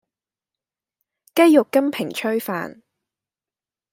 雞肉金平炊飯